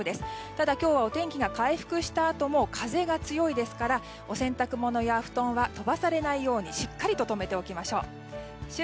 ただ、今日はお天気が回復したあとも風が強いですからお洗濯物や布団は飛ばされないようにしっかりと留めておきましょう。